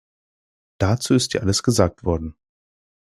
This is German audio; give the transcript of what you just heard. Dazu ist hier alles gesagt worden.